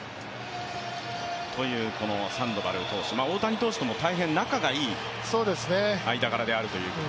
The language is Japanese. サンドバル投手、大谷投手とも大変仲がいい間柄であるということで。